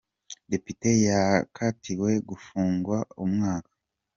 Depite yakatiwe gufungwa umwaka